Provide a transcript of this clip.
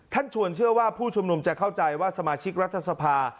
ชวนเชื่อว่าผู้ชุมนุมจะเข้าใจว่าสมาชิกรัฐสภา